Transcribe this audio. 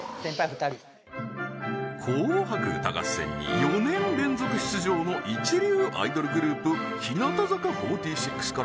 ２人紅白歌合戦に４年連続出場の一流アイドルグループ日向坂４６から